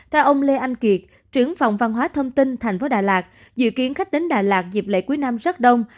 theo ông lê anh kiệt trưởng phòng văn hóa thông tin thành phố đà lạt dự kiến khách đến đà lạt dịp lễ cuối năm rất đông